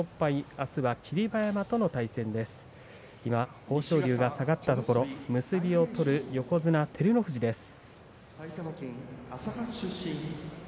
今、豊昇龍が下がったところ結びを取る横綱照ノ富士です。